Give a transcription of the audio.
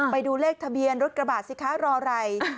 ไปดูเลขทะเบียนรถกระบาดสิคะรออะไร